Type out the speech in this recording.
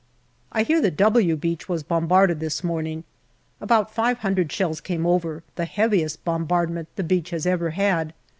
I hear that " W " Beach was bombarded this morning j About five hundred shells came over, the heaviest bom bardment the beach had ever had.